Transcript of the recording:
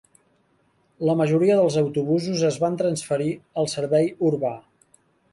La majoria dels autobusos es van transferir al servei urbà.